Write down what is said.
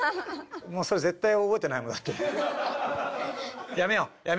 もうそれぜったいおぼえてないもんだって。